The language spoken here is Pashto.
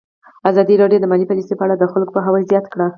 ازادي راډیو د مالي پالیسي په اړه د خلکو پوهاوی زیات کړی.